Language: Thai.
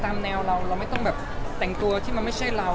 ตามแนวเราเราไม่ต้องแบบแต่งตัวที่มันไม่ใช่เรา